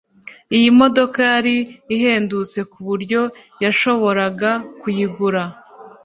Iyi modoka yari ihendutse kuburyo yashoboraga kuyigura